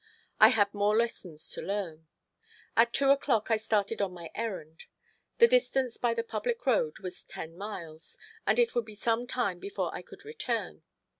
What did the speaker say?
I had more lessons to learn. At two o'clock I started on my errand. The distance by the public road was ten miles, and it would be some time before I could return.